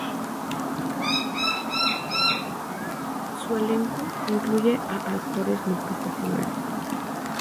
Su elenco incluye a actores no profesionales.